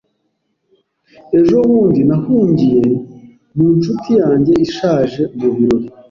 Ejo bundi nahungiye mu nshuti yanjye ishaje mu birori.